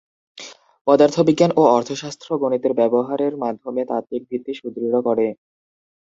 পদার্থবিজ্ঞান ও অর্থশাস্ত্র গণিতের ব্যবহারের মাধ্যমে তাত্ত্বিক ভিত্তি সুদৃঢ় করে।